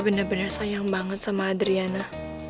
tapi bener bener sayang banget sama adriana